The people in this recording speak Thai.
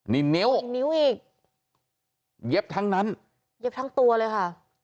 นี่นิ้วอีกนิ้วอีกเย็บทั้งนั้นเย็บทั้งตัวเลยค่ะ